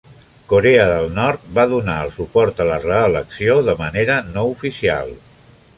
Corea del Nord va donar el suport a la reelecció de manera no oficial.